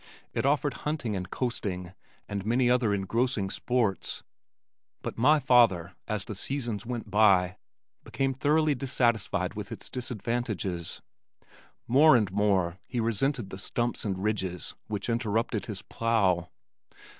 It offered hunting and coasting and many other engrossing sports, but my father, as the seasons went by, became thoroughly dissatisfied with its disadvantages. More and more he resented the stumps and ridges which interrupted his plow.